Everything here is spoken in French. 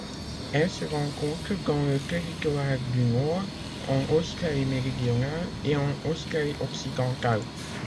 Elle se rencontre dans le Territoire du Nord, en Australie-Méridionale et en Australie-Occidentale.